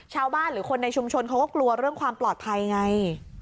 ชาวบ้านหรือคนในชุมชนเขาก็กลัวเรื่องความปลอดภัยไง